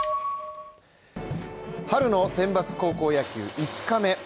春の選抜高校野球５日目。